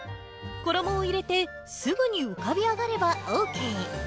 衣を入れてすぐに浮かび上がればＯＫ。